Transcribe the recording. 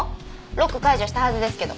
ロック解除したはずですけど。